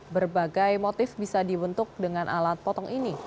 berbagai motif bisa dibentuk dengan alat potong ini